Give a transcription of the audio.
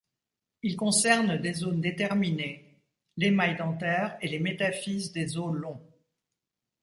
Ils concernent des zones déterminées, l'émail dentaire et les métaphyses des os longs.